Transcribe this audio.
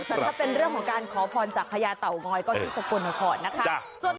แต่ถ้าเป็นเรื่องของการขอพรจากพญาเต่างอยก็ที่สกลนครนะคะ